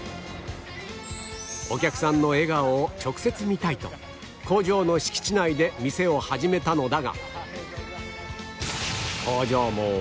「お客さんの笑顔を直接見たい」と工場の敷地内で店を始めたのだが